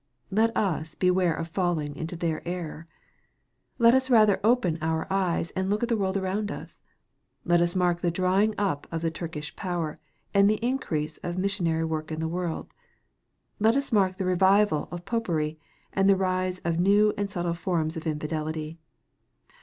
Let us beware of fall ing into their error, ^et us rather open our eyes, and look at the world around us. Let us mark the dry ing up of the Turkish power, and the increase of mis sionary work in the world. Let us mark the revival of Popery, and the rise of new and subtle forms of infidelity.